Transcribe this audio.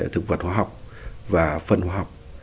thực vật hóa học và phân hóa học